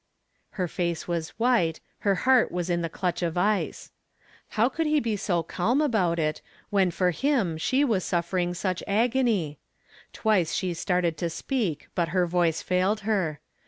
Her face was white, her heart was in the clutch of ice. How could he be so calm about it, when for him she was suffering such agony? Twice she started to speak, but her voice failed her.